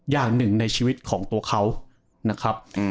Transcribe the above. อย่างหนึ่งในชีวิตของตัวเขานะครับ